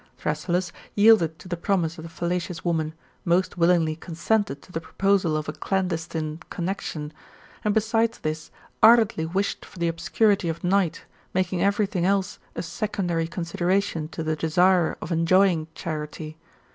Thrasyllus yielded to the promise of the fallacious woman, most willingly consented to the proposal of a clandestine connexion, and besides this, aidently wished for the obscurity of night, making every thing else a secondary consideration to the desire of en joying Charite.